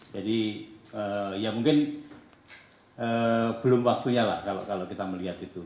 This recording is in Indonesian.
jadi ya mungkin belum waktunya lah kalau kita melihat itu